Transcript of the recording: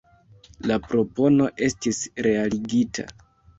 La propono estis realigita.